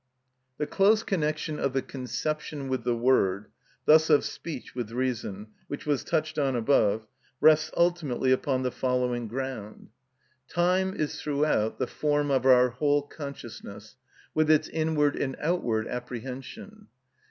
The close connection of the conception with the word, thus of speech with reason, which was touched on above, rests ultimately upon the following ground. Time is throughout the form of our whole consciousness, with its inward and outward apprehension.